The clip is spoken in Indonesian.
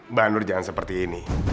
mbak nur jangan seperti ini